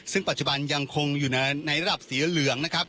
ซึ่งปัจจุบันยังคงอยู่ในระดับสีเหลืองนะครับ